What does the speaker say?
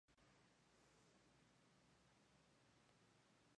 No hay consenso entre las fuentes sobre lo que sucedió a continuación.